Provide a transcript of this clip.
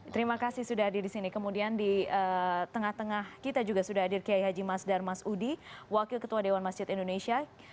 terima kasih sudah hadir di sini kemudian di tengah tengah kita juga sudah hadir kiai haji mas darmas udi wakil ketua dewan masjid indonesia